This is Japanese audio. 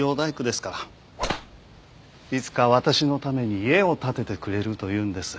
いつか私のために家を建ててくれるというんです。